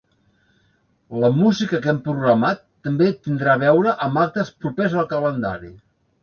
La música que hem programat també tindrà a veure amb actes propers al calendari.